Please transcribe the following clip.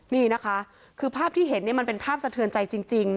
นี่นะคะคือภาพที่เห็นเนี่ยมันเป็นภาพสะเทือนใจจริง